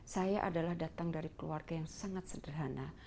saya adalah datang dari keluarga yang sangat sederhana